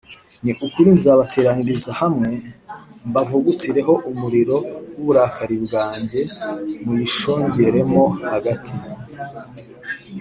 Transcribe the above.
Ni ukuri nzabateraniriza hamwe, mbavugutireho umuriro w’uburakari bwanjye muyishongeremo hagati